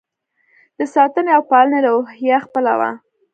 د ساتنې او پالنې روحیه خپله وه.